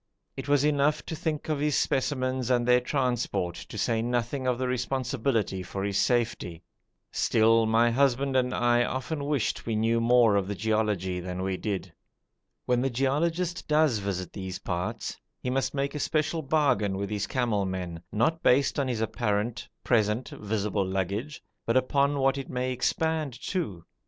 It was enough to think of his specimens and their transport, to say nothing of the responsibility for his safety. Still my husband and I often wished we knew more of geology than we did. When the geologist does visit these parts he must make a special bargain with his camel men, not based on his apparent, present, visible baggage, but upon what it may expand to.